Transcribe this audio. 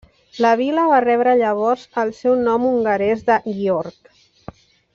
La vila va rebre llavors el seu nom hongarès de Győr.